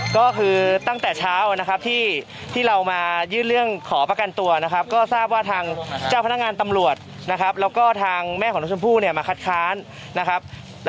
ก็คือตั้งแต่เช้านะครับที่เรามายื่นเรื่องขอประกันตัวนะครับก็ทราบว่าทางเจ้าพนักงานตำรวจนะครับแล้วก็ทางแม่ของน้องชมพู่เนี่ยมาคัดค้านนะครับ